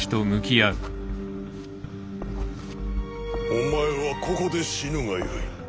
お前はここで死ぬがよい。